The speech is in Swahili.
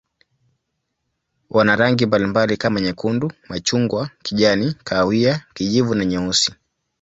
Wana rangi mbalimbali kama nyekundu, machungwa, kijani, kahawia, kijivu na nyeusi.